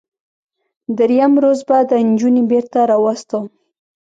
دریم روز به دا نجونې بیرته راواستوم.